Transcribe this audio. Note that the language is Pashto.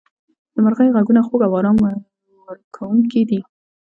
• د مرغیو ږغونه خوږ او آرام ورکوونکي دي.